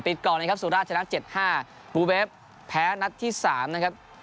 ปิดกองเลยครับสุราชนัดเจ็ดห้าบูเวฟแพ้นัดที่สามนะครับ